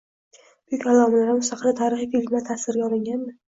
Buyuk allomalarimiz haqida tarixiy filmlar tasvirga olinganmi?